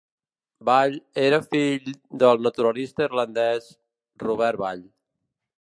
Ball era fill del naturalista irlandès Robert Ball.